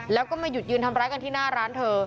แล้วก็มาหยุดยืนทำร้ายกันที่หน้าร้านเธอ